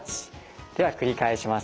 では繰り返します。